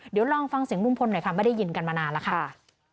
เดี๋ยวลองฟังเสียงลุงพลหน่อยค่ะไม่ได้ยินกันมานานแล้วค่ะ